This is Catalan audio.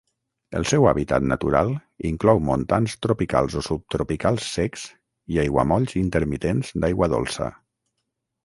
El seu hàbitat natural inclou montans tropicals o subtropicals secs i aiguamolls intermitents d'aigua dolça.